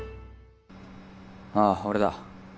ああ俺だ。